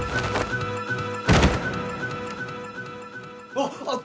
あっあっ！